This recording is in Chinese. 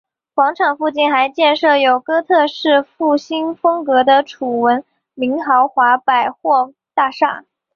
广场附近还建设有哥特式复兴风格的楚闻明豪华百货大厦。